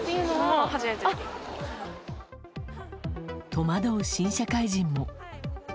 戸惑う新社会人も。